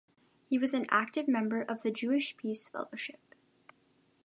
He was an active member of the Jewish Peace Fellowship.